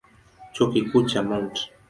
Chuo Kikuu cha Mt.